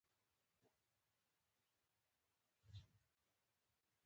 پلار یې د پنجاب نایب الحکومه مقرر کړ.